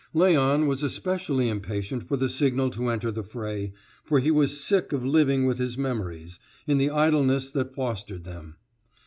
Léon was specially impatient for the signal to enter the fray, for he was sick of living with his memories, in the idleness that fostered them.